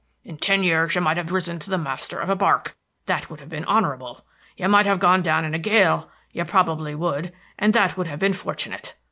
In ten years you might have risen to be master of a bark; that would have been honorable. You might have gone down in a gale, you probably would, and that would have been fortunate.